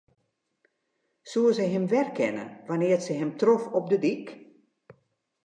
Soe se him werkenne wannear't se him trof op de dyk?